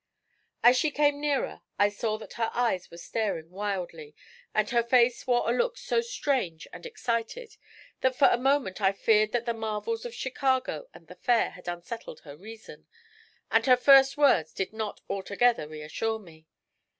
As she came nearer I saw that her eyes were staring wildly, and her face wore a look so strange and excited that for a moment I feared that the marvels of Chicago and the Fair had unsettled her reason, and her first words did not altogether reassure me.